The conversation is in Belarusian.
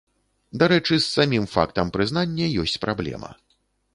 Дарэчы, з самім фактам прызнання ёсць праблема.